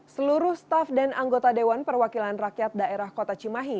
seluruh staf dan anggota dewan perwakilan rakyat daerah kota cimahi